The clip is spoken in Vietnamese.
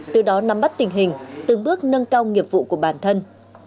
từ đó nắm bắt tình hình từng bước nâng cao nghiệp vụ của bản thân